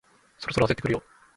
そろそろ焦ってくるよ